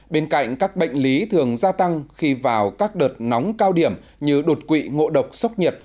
bên cạnh các bệnh lý thường gia tăng khi vào các đợt nóng cao điểm như đột quỵ ngộ độc sốc nhiệt